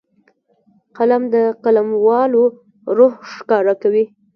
قلم د قلموالو روح ښکاره کوي